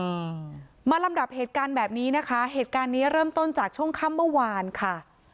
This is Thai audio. อืมมาลำดับเหตุการณ์แบบนี้นะคะเหตุการณ์นี้เริ่มต้นจากช่วงค่ำเมื่อวานค่ะ